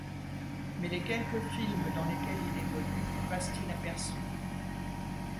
Mais les quelques films dans lesquels il évolue passent inaperçus.